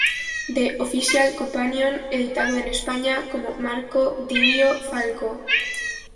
The Official Companion", editado en España como "Marco Didio Falco.